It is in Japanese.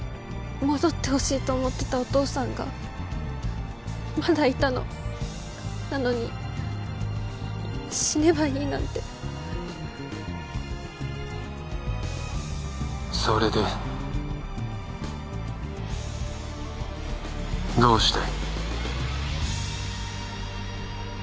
戻ってほしいと思ってたお父さんがまだいたのなのに死ねばいいなんてそれでどうしたい？